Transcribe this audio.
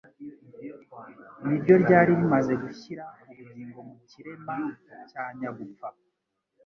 ni ryo ryari rimaze gushyira ubugingo mu kirema cya nyagupfa.